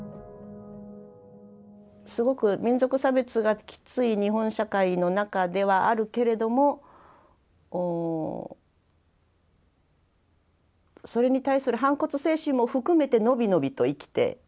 すごく民族差別がきつい日本社会の中ではあるけれどもそれに対する反骨精神も含めて伸び伸びと生きていたと思うんです。